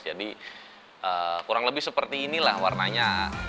jadi kurang lebih seperti inilah warnanya